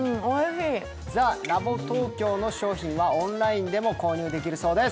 ＴＨＥＬＡＢＴＯＫＹＯの商品はオンラインでも購入できるそうです。